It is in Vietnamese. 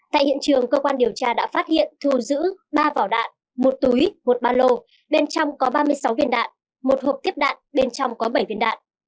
tại hiện trường cơ quan điều tra đã phát hiện thu giữ ba vỏ đạn một túi một ba lô bên trong có ba mươi sáu viên đạn một hộp tiếp đạn bên trong có bảy viên đạn